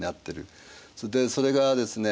それでそれがですね